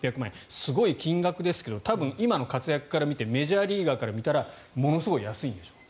すごい金額ですが多分、今の活躍から見てメジャーリーガーから見たらものすごい安いんでしょう。